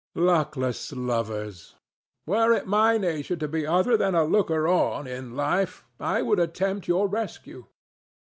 Luckless lovers! Were it my nature to be other than a looker on in life, I would attempt your rescue.